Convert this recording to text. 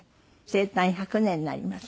生誕１００年になります。